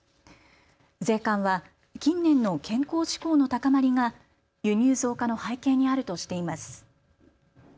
税関は近年の健康志向の高まりが輸入増加の背景にあるとしています。